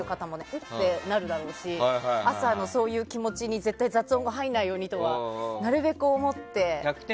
ってなるだろうし朝のそういう気持ちに絶対雑音が入らないようにとかなるべく思って。